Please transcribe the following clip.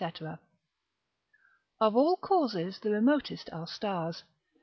_ Of all causes the remotest are stars.